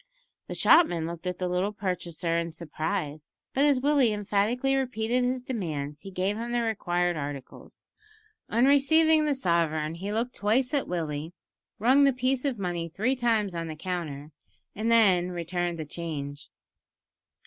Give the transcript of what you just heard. The shopman looked at the little purchaser in surprise, but as Willie emphatically repeated his demands he gave him the required articles. On receiving the sovereign he looked twice at Willie, rung the piece of money three times on the counter, and then returned the change.